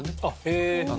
へえ！